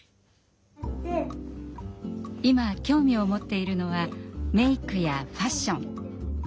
今興味を持っているのはメークやファッション。